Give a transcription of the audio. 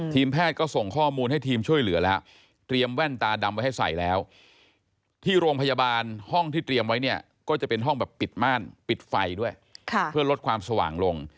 แพทย์ก็ส่งข้อมูลให้ทีมช่วยเหลือแล้วเตรียมแว่นตาดำไว้ให้ใส่แล้วที่โรงพยาบาลห้องที่เตรียมไว้เนี่ยก็จะเป็นห้องแบบปิดม่านปิดไฟด้วยเพื่อลดความสว่างลง